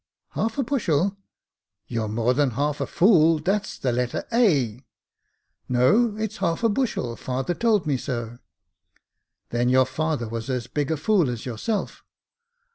Half a bushel ! You're more than half a fool. That's the letter ^."" No ; it's half a bushel ; father told me so." " Then your father was as big a fool as yourself."